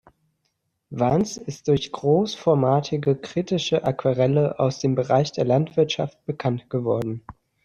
Wans ist durch großformatige, kritische Aquarelle aus dem Bereich der Landwirtschaft bekannt geworden.